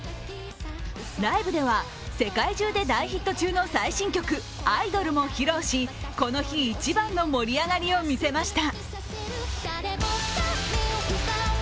ライブでは世界中で大ヒット中の最新曲「アイドル」も披露しこの日一番の盛り上がりを見せました。